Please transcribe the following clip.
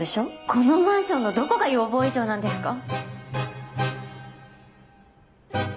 このマンションのどこが要望以上なんですか？